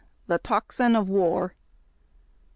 THE TOCSIN OF WAll.